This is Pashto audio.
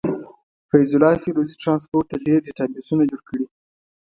فيض الله فيروزي ټرانسپورټ ته ډير ډيټابسونه جوړ کړي.